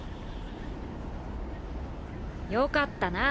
よかったな。